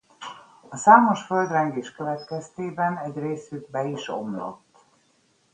A számos földrengés következtében egy részük be is omlott.